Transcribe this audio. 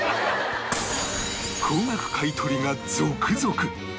高額買取が続々